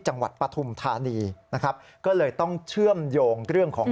ปฐุมธานีนะครับก็เลยต้องเชื่อมโยงเรื่องของ